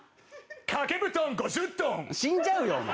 「掛け布団５０トン」死んじゃうよお前。